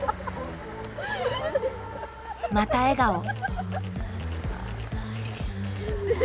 また笑顔。